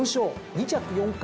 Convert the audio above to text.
２着４回。